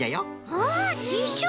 あっティッシュ